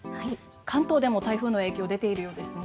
関東でも台風の影響が出ているようですね。